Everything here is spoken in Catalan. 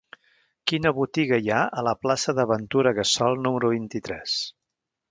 Quina botiga hi ha a la plaça de Ventura Gassol número vint-i-tres?